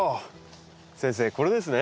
先生これですね？